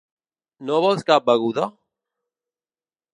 No vols cap beguda?